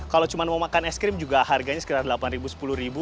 kalau cuma mau makan es krim juga harganya sekitar rp delapan sepuluh ribu